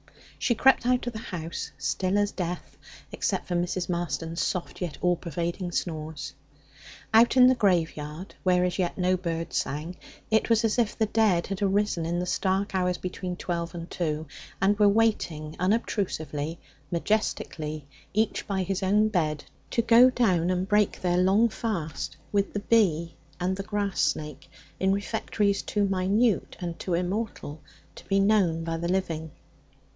She crept out of the house, still as death, except for Mrs. Marston's soft yet all pervading snores. Out in the graveyard, where as yet no bird sang, it was as if the dead had arisen in the stark hours between twelve and two, and were waiting unobtrusively, majestically, each by his own bed, to go down and break their long fast with the bee and the grass snake in refectories too minute and too immortal to be known by the living.